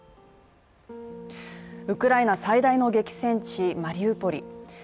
ウクライナ最大の激戦地マリウポリ。